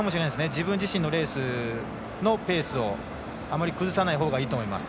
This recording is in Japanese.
自分自身のレースのペースをあまり崩さないほうがいいと思います。